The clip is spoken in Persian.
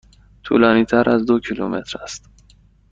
طولانی تر از دو کیلومتر است.